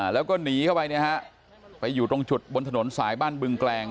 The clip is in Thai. แล้วก็หนีเข้าไปเนี่ยฮะไปอยู่ตรงจุดบนถนนสายบ้านบึงแกลง